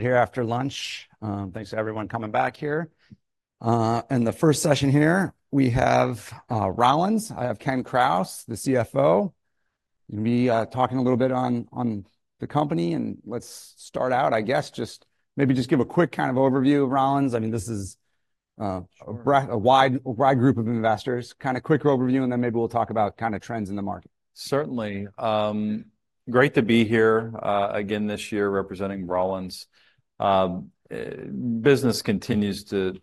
Here after lunch. Thanks to everyone coming back here. And the first session here, we have Rollins. I have Ken Krause, the CFO. He'll be talking a little bit on the company, and let's start out, I guess, just maybe just give a quick kind of overview of Rollins. I mean, this is... Sure... a wide, wide group of investors. Kind of quick overview, and then maybe we'll talk about kind of trends in the market. Certainly. Great to be here again this year, representing Rollins. Business continues to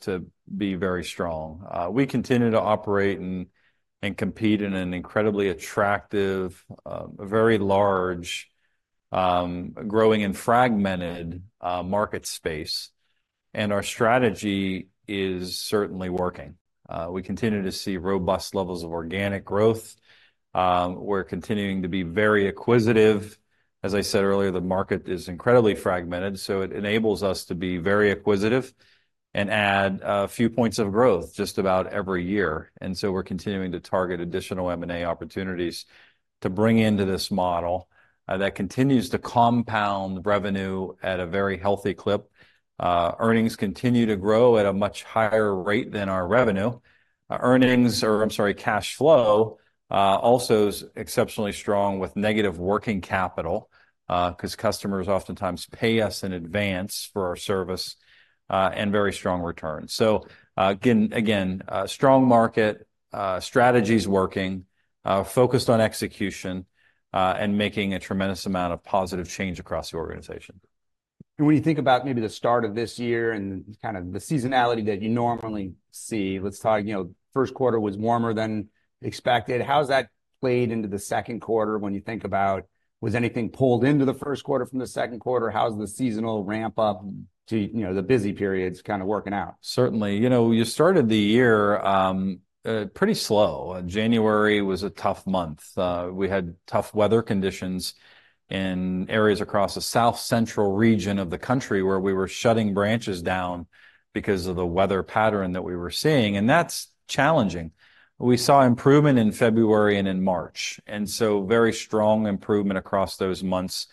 be very strong. We continue to operate and compete in an incredibly attractive, a very large, growing and fragmented market space, and our strategy is certainly working. We continue to see robust levels of organic growth. We're continuing to be very acquisitive. As I said earlier, the market is incredibly fragmented, so it enables us to be very acquisitive and add a few points of growth just about every year. And so we're continuing to target additional M&A opportunities to bring into this model that continues to compound revenue at a very healthy clip. Earnings continue to grow at a much higher rate than our revenue. Earnings, or I'm sorry, cash flow, also is exceptionally strong with negative working capital, 'cause customers oftentimes pay us in advance for our service, and very strong returns. So, again, a strong market, strategy's working, focused on execution, and making a tremendous amount of positive change across the organization. When you think about maybe the start of this year and kind of the seasonality that you normally see, let's talk. You know, first quarter was warmer than expected. How has that played into the second quarter when you think about, was anything pulled into the first quarter from the second quarter? How's the seasonal ramp-up to, you know, the busy periods kind of working out? Certainly. You know, you started the year pretty slow. January was a tough month. We had tough weather conditions in areas across the South Central region of the country, where we were shutting branches down because of the weather pattern that we were seeing, and that's challenging. We saw improvement in February and in March, and so very strong improvement across those months.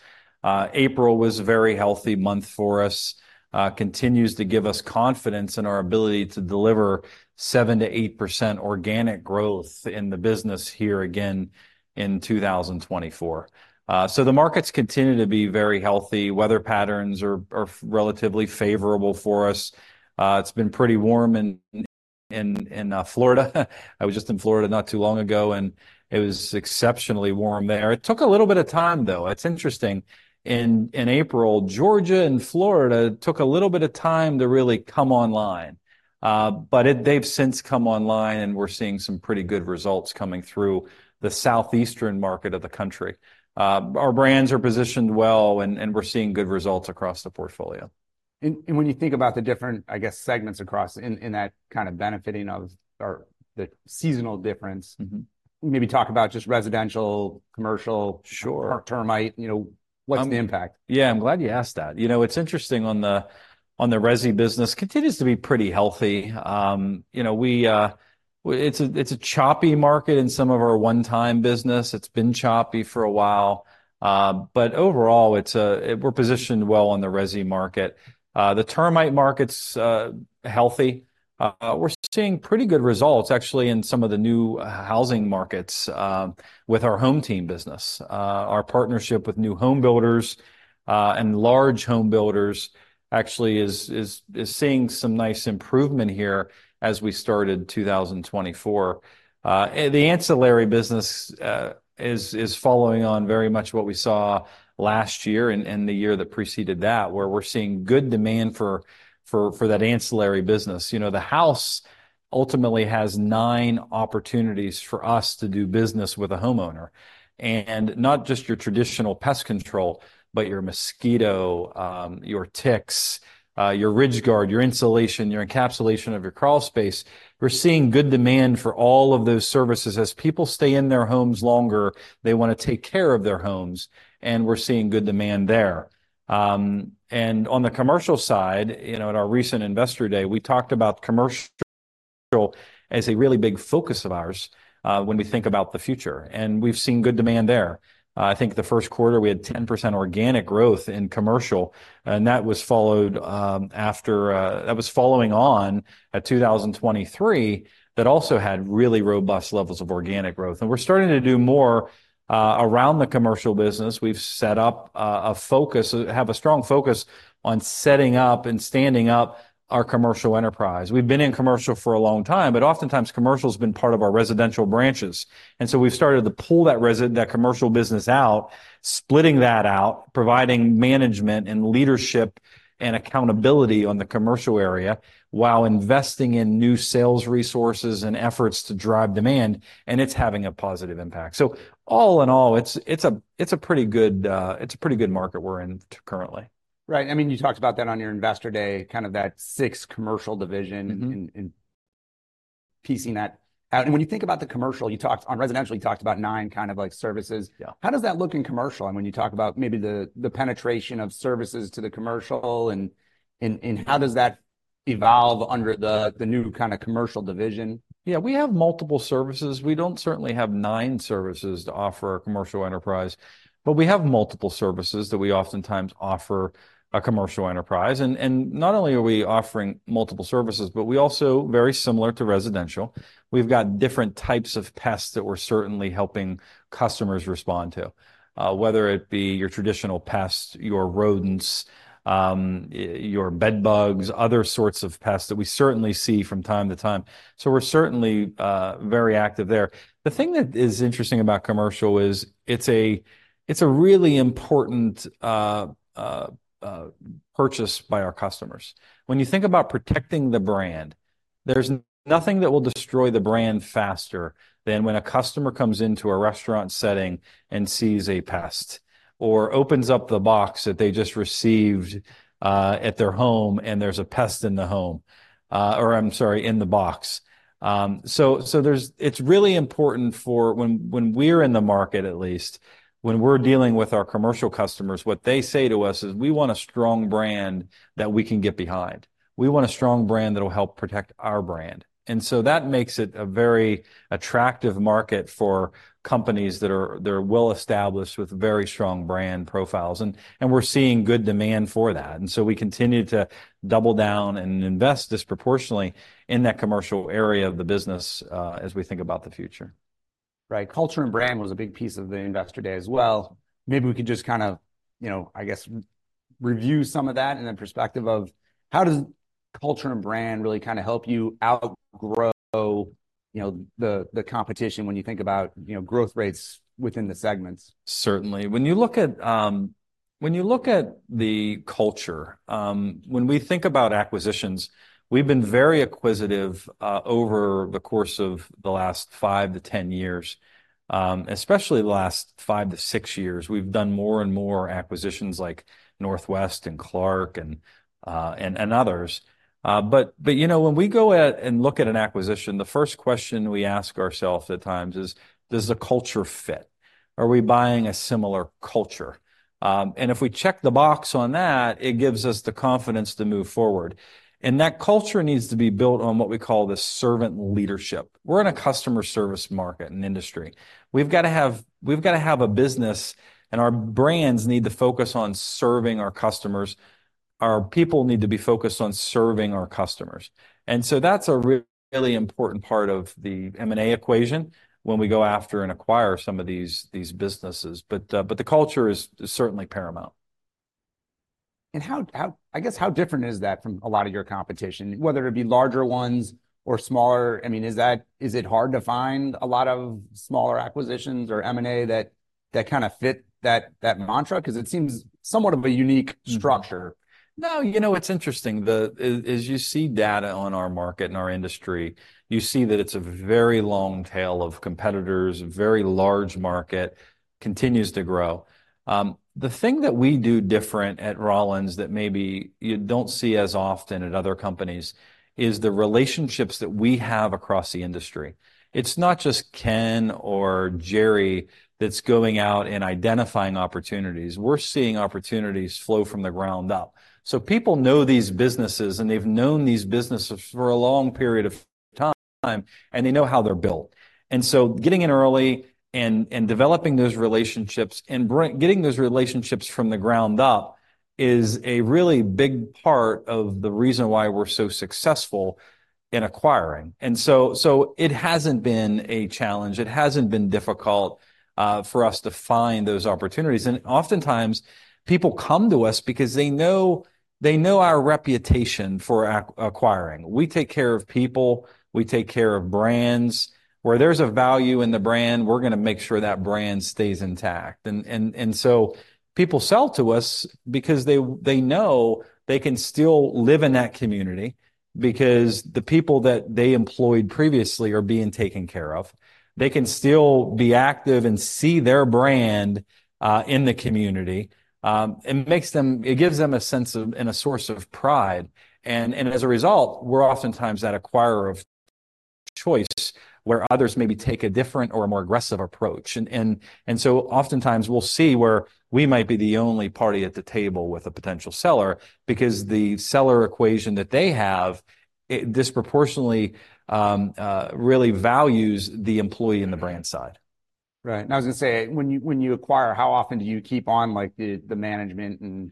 April was a very healthy month for us, continues to give us confidence in our ability to deliver 7%-8% organic growth in the business here again in 2024. So the markets continue to be very healthy. Weather patterns are relatively favorable for us. It's been pretty warm in Florida. I was just in Florida not too long ago, and it was exceptionally warm there. It took a little bit of time, though. It's interesting. In April, Georgia and Florida took a little bit of time to really come online. But they've since come online, and we're seeing some pretty good results coming through the Southeastern market of the country. Our brands are positioned well, and we're seeing good results across the portfolio. When you think about the different, I guess, segments across in that kind of benefiting of, or the seasonal difference- Mm-hmm... maybe talk about just residential, commercial- Sure... termite, you know, what's the impact? Yeah, I'm glad you asked that. You know, it's interesting on the resi business. It continues to be pretty healthy. You know, it's a choppy market in some of our one-time business. It's been choppy for a while. But overall, we're positioned well on the resi market. The termite market's healthy. We're seeing pretty good results, actually, in some of the new housing markets with our HomeTeam business. Our partnership with new home builders and large home builders actually is seeing some nice improvement here as we started 2024. And the ancillary business is following on very much what we saw last year and the year that preceded that, where we're seeing good demand for that ancillary business. You know, the house ultimately has nine opportunities for us to do business with a homeowner. And not just your traditional pest control, but your mosquito, your ticks, your Ridge-Guard, your insulation, your encapsulation of your crawl space. We're seeing good demand for all of those services. As people stay in their homes longer, they want to take care of their homes, and we're seeing good demand there. And on the commercial side, you know, at our recent Investor Day, we talked about commercial as a really big focus of ours, when we think about the future, and we've seen good demand there. I think the first quarter, we had 10% organic growth in commercial, and that was followed after. That was following on 2023, that also had really robust levels of organic growth. We're starting to do more around the commercial business. We've set up a focus, have a strong focus on setting up and standing up our commercial enterprise. We've been in commercial for a long time, but oftentimes, commercial's been part of our residential branches. And so we've started to pull that commercial business out, splitting that out, providing management and leadership and accountability on the commercial area, while investing in new sales resources and efforts to drive demand, and it's having a positive impact. So all in all, it's a pretty good market we're in currently. Right. I mean, you talked about that on your Investor Day, kind of that sixth commercial division- Mm-hmm... and piecing that out. When you think about the commercial, you talked on residential, you talked about nine kind of, like, services. Yeah. How does that look in commercial? And when you talk about maybe the penetration of services to the commercial, and how does that evolve under the new kind of commercial division? Yeah, we have multiple services. We don't certainly have nine services to offer a commercial enterprise, but we have multiple services that we oftentimes offer a commercial enterprise. And not only are we offering multiple services, but we also, very similar to residential, we've got different types of pests that we're certainly helping customers respond to. Whether it be your traditional pests, your rodents, your bedbugs, other sorts of pests that we certainly see from time to time. So we're certainly very active there. The thing that is interesting about commercial is, it's a really important purchase by our customers. When you think about protecting the brand, there's nothing that will destroy the brand faster than when a customer comes into a restaurant setting and sees a pest, or opens up the box that they just received at their home, and there's a pest in the home. Or I'm sorry, in the box. So it's really important for when we're in the market at least, when we're dealing with our commercial customers, what they say to us is, "We want a strong brand that we can get behind. We want a strong brand that'll help protect our brand." And so that makes it a very attractive market for companies that are, they're well-established with very strong brand profiles. We're seeing good demand for that, and so we continue to double down and invest disproportionately in that commercial area of the business, as we think about the future. Right. Culture and brand was a big piece of the Investor Day as well. Maybe we could just kind of, you know, I guess, review some of that in the perspective of, how does culture and brand really kind of help you outgrow, you know, the, the competition when you think about, you know, growth rates within the segments? Certainly. When you look at the culture, when we think about acquisitions, we've been very acquisitive over the course of the last five to ten years. Especially the last five to six years, we've done more and more acquisitions, like Northwest and Clark and others. But you know, when we go out and look at an acquisition, the first question we ask ourselves at times is, "Does the culture fit? Are we buying a similar culture?" And if we check the box on that, it gives us the confidence to move forward. And that culture needs to be built on what we call the servant leadership. We're in a customer service market and industry. We've got to have, we've got to have a business, and our brands need to focus on serving our customers. Our people need to be focused on serving our customers. And so that's a really important part of the M&A equation when we go after and acquire some of these businesses. But the culture is certainly paramount. And how, I guess, how different is that from a lot of your competition? Whether it be larger ones or smaller, I mean, is it hard to find a lot of smaller acquisitions or M&A that kind of fit that mantra? 'Cause it seems somewhat of a unique structure. Mm-hmm. No, you know, it's interesting. As you see data on our market and our industry, you see that it's a very long tail of competitors, a very large market, continues to grow. The thing that we do different at Rollins that maybe you don't see as often at other companies is the relationships that we have across the industry. It's not just Ken or Jerry that's going out and identifying opportunities. We're seeing opportunities flow from the ground up. So people know these businesses, and they've known these businesses for a long period of time, and they know how they're built. And so getting in early and developing those relationships, and getting those relationships from the ground up, is a really big part of the reason why we're so successful in acquiring. So it hasn't been a challenge, it hasn't been difficult for us to find those opportunities. And oftentimes, people come to us because they know our reputation for acquiring. We take care of people, we take care of brands. Where there's a value in the brand, we're gonna make sure that brand stays intact. And so people sell to us because they know they can still live in that community, because the people that they employed previously are being taken care of. They can still be active and see their brand in the community. It gives them a sense of, and a source of pride, and as a result, we're oftentimes that acquirer of choice, where others maybe take a different or more aggressive approach. So oftentimes we'll see where we might be the only party at the table with a potential seller, because the seller equation that they have, it disproportionately really values the employee and the brand side. Right. And I was gonna say, when you acquire, how often do you keep on, like, the management and...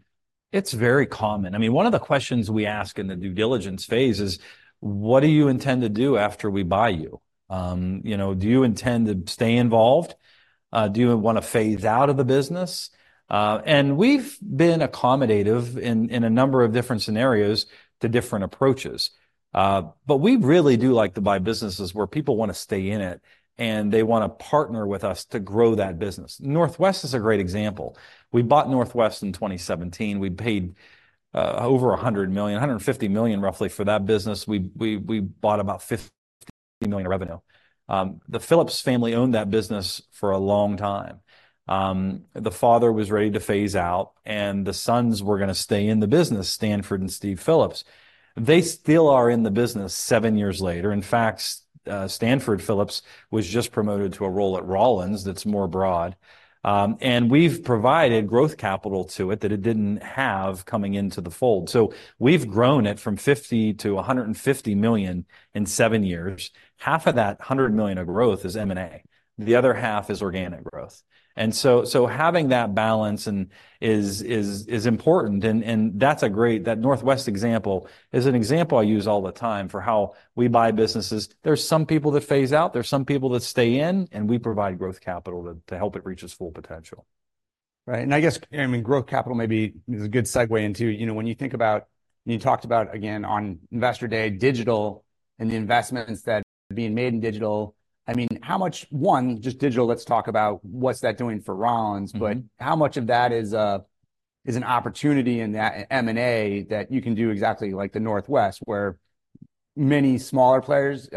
It's very common. I mean, one of the questions we ask in the due diligence phase is, "What do you intend to do after we buy you?" You know, "Do you intend to stay involved? Do you want to phase out of the business?" And we've been accommodative in a number of different scenarios to different approaches. But we really do like to buy businesses where people want to stay in it, and they want to partner with us to grow that business. Northwest is a great example. We bought Northwest in 2017. We paid over $100 million, $150 million roughly for that business. We bought about $50 million in revenue. The Phillips family owned that business for a long time. The father was ready to phase out, and the sons were gonna stay in the business, Stanford and Steve Phillips. They still are in the business seven years later. In fact, Stanford Phillips was just promoted to a role at Rollins that's more broad. And we've provided growth capital to it that it didn't have coming into the fold. So we've grown it from $50 million-$150 million in seven years. Half of that $100 million of growth is M&A. The other half is organic growth. And so having that balance is important, and that's a great- that Northwest example is an example I use all the time for how we buy businesses. There's some people that phase out, there's some people that stay in, and we provide growth capital to help it reach its full potential. Right, and I guess, I mean, growth capital may be, is a good segue into, you know, when you think about... You talked about, again, on Investor Day, digital and the investments that are being made in digital. I mean, how much, one, just digital, let's talk about what's that doing for Rollins? Mm-hmm. But how much of that is an opportunity in that M&A that you can do exactly like the Northwest, where many smaller players,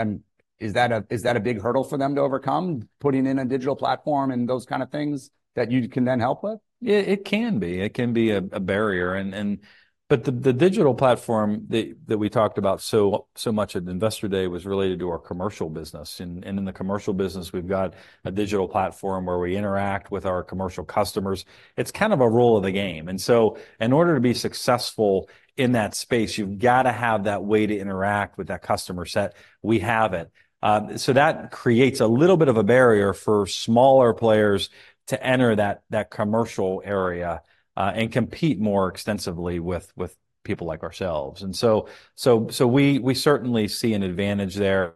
is that a big hurdle for them to overcome, putting in a digital platform and those kind of things, that you can then help with? Yeah, it can be. It can be a barrier, and... but the digital platform that we talked about so much at Investor Day was related to our commercial business. And in the commercial business, we've got a digital platform where we interact with our commercial customers. It's kind of a rule of the game. And so in order to be successful in that space, you've got to have that way to interact with that customer set. We have it. So that creates a little bit of a barrier for smaller players to enter that commercial area and compete more extensively with people like ourselves. And so we certainly see an advantage there.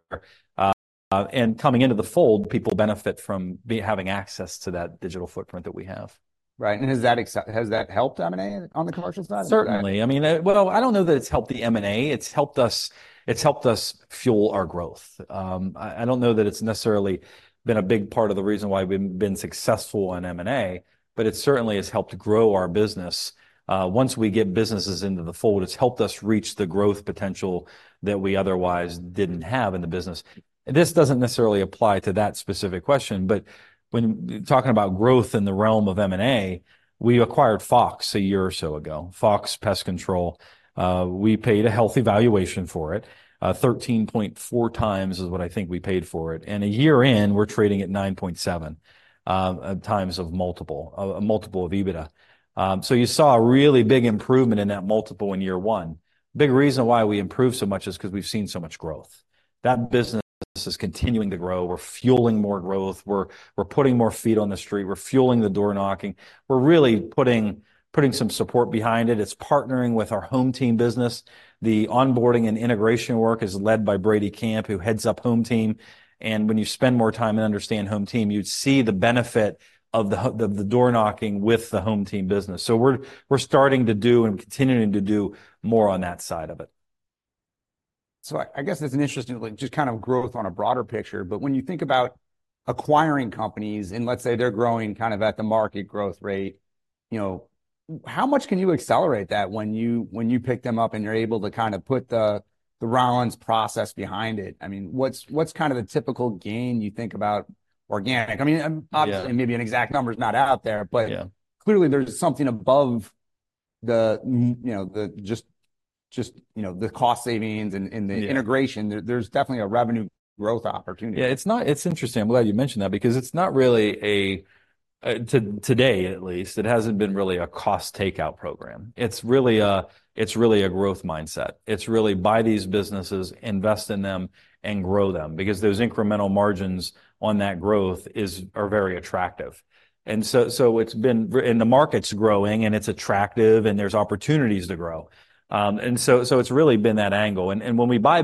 And coming into the fold, people benefit from having access to that digital footprint that we have. Right, and has that helped M&A on the commercial side? Certainly. I mean, well, I don't know that it's helped the M&A. It's helped us... it's helped us fuel our growth. I don't know that it's necessarily been a big part of the reason why we've been successful in M&A, but it certainly has helped grow our business. Once we get businesses into the fold, it's helped us reach the growth potential that we otherwise didn't have in the business. This doesn't necessarily apply to that specific question, but when talking about growth in the realm of M&A, we acquired Fox a year or so ago, Fox Pest Control. We paid a healthy valuation for it. 13.4x is what I think we paid for it, and a year in, we're trading at 9.7x of multiple, a multiple of EBITDA. So you saw a really big improvement in that multiple in year one. Big reason why we improved so much is 'cause we've seen so much growth. That business is continuing to grow. We're fueling more growth. We're putting more feet on the street. We're fueling the door-knocking. We're really putting some support behind it. It's partnering with our HomeTeam business. The onboarding and integration work is led by Brady Camp, who heads up HomeTeam, and when you spend more time and understand HomeTeam, you'd see the benefit of the door-knocking with the HomeTeam business. So we're starting to do and continuing to do more on that side of it. So, I guess it's interesting, like, just kind of growth on a broader picture, but when you think about acquiring companies, and let's say they're growing kind of at the market growth rate, you know, how much can you accelerate that when you pick them up, and you're able to kind of put the Rollins process behind it? I mean, what's kind of the typical gain you think about organic? I mean— Yeah... obviously, maybe an exact number is not out there, but- Yeah... clearly, there's something above the, you know, the just you know, the cost savings and, and- Yeah... the integration. There, there's definitely a revenue growth opportunity. Yeah, it's interesting. I'm glad you mentioned that because it's not really today, at least, it hasn't been really a cost takeout program. It's really a growth mindset. It's really buy these businesses, invest in them, and grow them. Because those incremental margins on that growth is, are very attractive. And so it's been. And the market's growing, and it's attractive, and there's opportunities to grow. And so it's really been that angle. And when we buy-